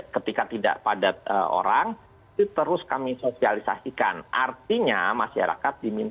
ketika tidak padat orang terus kami sosialisasikan artinya masyarakat diminta melakukan self attestment